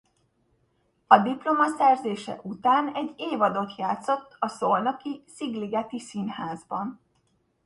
A diplomaszerzése után egy évadot játszott a szolnoki Szigligeti Színházban.